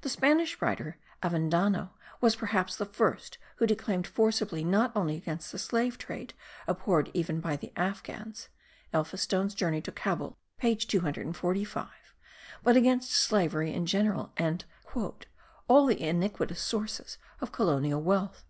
The Spanish writer, Avendano, was perhaps the first who declaimed forcibly not only against the slave trade, abhorred even by the Afghans (Elphinstone's Journey to Cabul page 245), but against slavery in general, and "all the iniquitous sources of colonial wealth."